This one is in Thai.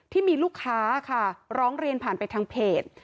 ที่มีลูกค้าค่ะร้องเรียนผ่านไปทางเพจ